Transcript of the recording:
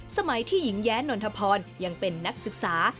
สมัยที่หญิงแย้นนทพรยังเป็นนักศึกษา